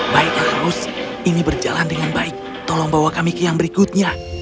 baiklah terus ini berjalan dengan baik tolong bawa kami ke yang berikutnya